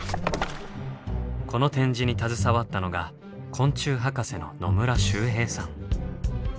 この展示に携わったのが昆虫博士の野村周平さん。